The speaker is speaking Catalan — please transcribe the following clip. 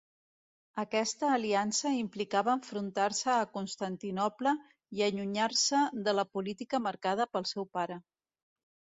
Aquesta aliança implicava enfrontar-se a Constantinoble i allunyar-se de la política marcada pel seu pare.